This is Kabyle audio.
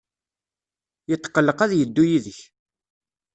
Yetqelleq ad yeddu yid-k.